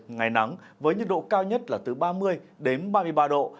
ngày nắng với nhiệt độ cao nhất là từ ba mươi đến ba mươi ba độ